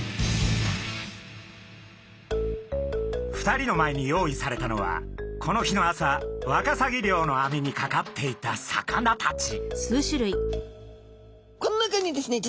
２人の前に用意されたのはこの日の朝ワカサギ漁のあみにかかっていた魚たち。